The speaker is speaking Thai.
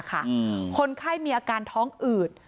คนไข้มีอาการท้องอืด